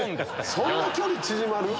そんな距離縮まる⁉